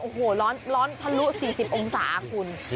โอ้โหร้อนทะลุ๔๐องศาคุณ